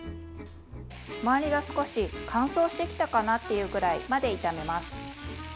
周りが少し乾燥してきたかなというくらいまで炒めます。